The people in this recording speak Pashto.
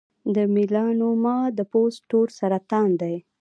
د میلانوما د پوست تور سرطان دی.